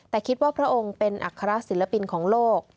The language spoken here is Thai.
แต่คิดว่าพระองค์เป็นอัครศิลปินของโลก